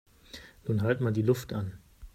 Nun halt mal die Luft an!